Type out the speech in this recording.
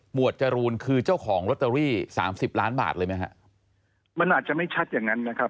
วดจรูนคือเจ้าของลอตเตอรี่สามสิบล้านบาทเลยไหมฮะมันอาจจะไม่ชัดอย่างนั้นนะครับ